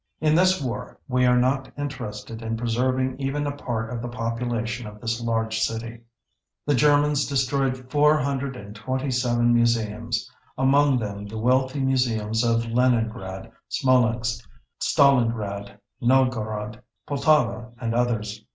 "In this war ... we are not interested in preserving even a part of the population of this large city." The Germans destroyed 427 museums, among them the wealthy museums of Leningrad, Smolensk, Stalingrad, Novgorod, Poltava, and others.